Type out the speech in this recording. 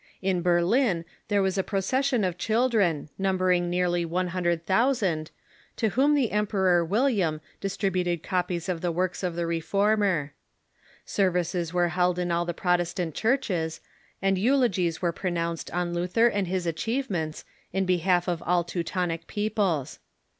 In Berlin there Avas a pro cession of children, numbering nearly one hundred in Memory thousand, to whom the Emperor William distributed of Luther (.Qpigg of the works of the Reformer. Services were held in all the Protestant churches, and eulogies were pro nounced on Luther and his achievements in behalf of all Teu tonic peoples.